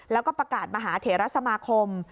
แล้วก็ประกาศมหาเถระสมาคม